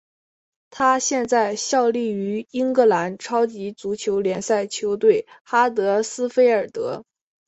他现在效力于英格兰超级足球联赛球队哈德斯菲尔德。